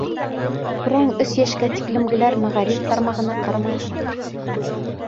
Күрәһең, өс йәшкә тиклемгеләр мәғариф тармағына ҡарамаясаҡ.